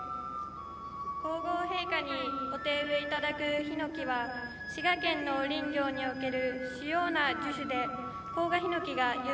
皇后陛下にお手植えいただくヒノキは滋賀県の林業における主要な樹種で甲賀ヒノキが有名です。